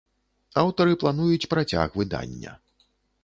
Аўтары плануюць працяг выдання.